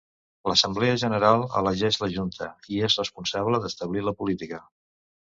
L'Assemblea General elegeix la Junta i és responsable d'establir la política.